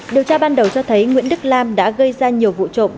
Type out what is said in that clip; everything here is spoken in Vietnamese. điều tra ban đầu cho thấy nguyễn đức lam đã gây ra nhiều vụ trộm